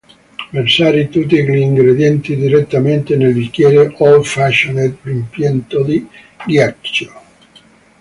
Versare tutti gli ingredienti direttamente nel bicchiere Old fashioned riempito di ghiaccio.